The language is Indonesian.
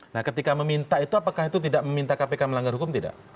nah ketika meminta itu apakah itu tidak meminta kpk melanggar hukum tidak